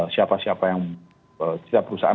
siapa siapa yang tidak perusahaan